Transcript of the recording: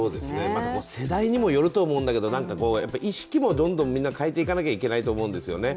まあ世代にもよると思うんだけど意識もどんどん変えていかなきゃいけないと思うんですよね。